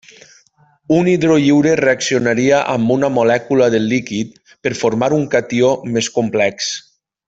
Un hidró lliure reaccionaria amb una molècula del líquid per formar un catió més complex.